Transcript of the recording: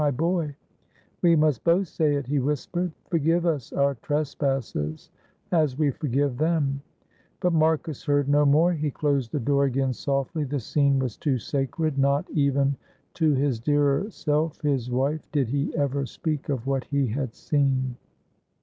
"My boy, we must both say it," he whispered. "Forgive us our trespasses as we forgive them" but Marcus heard no more, he closed the door again softly the scene was too sacred not even to his dearer self his wife did he ever speak of what he had seen.